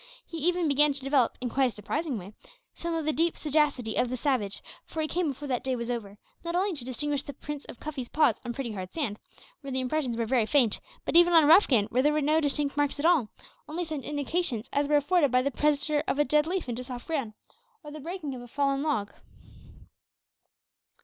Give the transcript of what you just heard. He even began to develop, in quite a surprising way, some of the deep sagacity of the savage; for he came, before that day was over, not only to distinguish the prints of Cuffy's paws on pretty hard sand, where the impressions were very faint, but even on rough ground, where there were no distinct marks at all only such indications as were afforded by the pressure of a dead leaf into soft ground, or the breaking of a fallen twig!